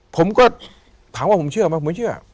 ผมก็ถามว่าผมเชื่อไหมผมเชื่อ